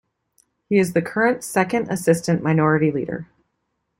He is the current Second Assistant Minority Leader.